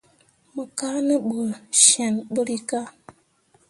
Mo kaa ne ɓu cee ɓǝrrikah.